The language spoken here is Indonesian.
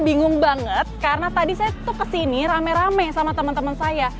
bingung banget karena tadi saya tuh kesini rame rame sama teman teman saya